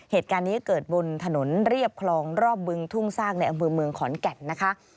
เหตุการณ์นี้เกิดบนถนนเรียบคลองรอบบึงทุ่งซากในอำเภอเมืองขอนแก่นนะคะ